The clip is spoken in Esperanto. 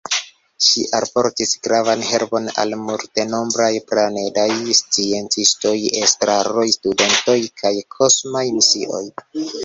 Ŝi alportis gravan helpon al multenombraj planedaj sciencistoj, estraroj, studentoj kaj kosmaj misioj.